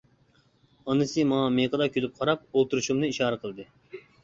ئانىسى ماڭا مىيىقىدا كۈلۈپ قاراپ، ئولتۇرۇشۇمنى ئىشارە قىلدى.